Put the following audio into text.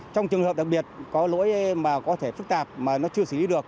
trong trường hợp đặc biệt có lỗi mà có thể phức tạp mà nó chưa xử lý được